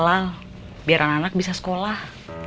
pulang biar anak anak bisa sekolah